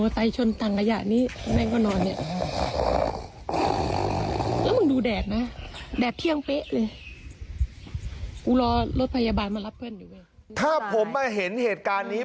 ถ้าผมมาเห็นเหตุการณ์นี้